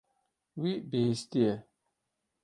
Wî bihîstiye.